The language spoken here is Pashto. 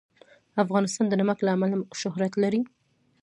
افغانستان د نمک له امله شهرت لري.